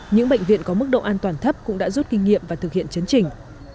những bệnh viện có mức độ an toàn thấp cũng đã rút kinh nghiệm và thực hiện chấn trình